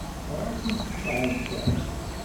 Tteɣraṣen si ttɛebga.